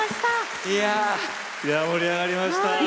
盛り上がりました。